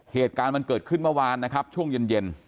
เหตุการณ์มันเกิดขึ้นเมื่อวานนะครับช่วงเย็น